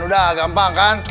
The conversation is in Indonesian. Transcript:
udah gampang kan